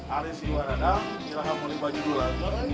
alis iwan adal ilhamul ibadululadzim